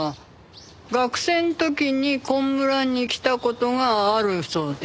学生の時にこの村に来た事があるそうで。